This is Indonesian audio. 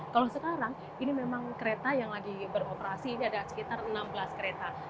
kalau sekarang ini memang kereta yang lagi beroperasi ini ada sekitar enam belas kereta